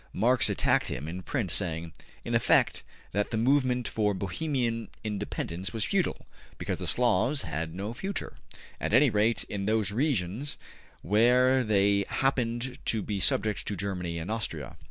Marx attacked him in print, saying, in effect, that the movement for Bohemian independence was futile because the Slavs had no future, at any rate in those regions where they hap pened to be subject to Germany and Austria.